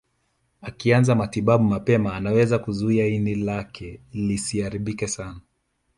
Akianza matibabu mapema anaweza kuzuia ini lake lisiharibike sana